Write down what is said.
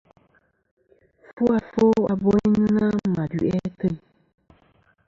Fu afo a boynɨnɨ-a ma duʼi ateyn.